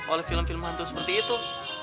oleh film film hantu seperti itu